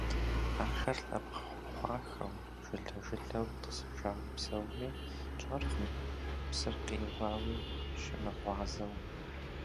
Ахэр лъэпкъ хъуахэу, жылэ-жылэу тӀысыжауэ псэуми, тщӀэркъым, псыр къиуауи щымыгъуазэу.